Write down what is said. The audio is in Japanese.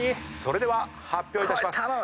それでは発表いたします。